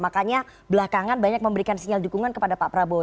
makanya belakangan banyak memberikan sinyal dukungan kepada pak prabowo